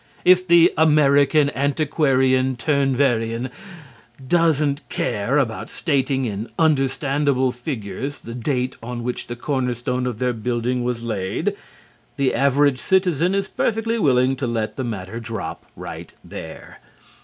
If the American Antiquarian Turn Verein doesn't care about stating in understandable figures the date on which the cornerstone of their building was laid, the average citizen is perfectly willing to let the matter drop right there.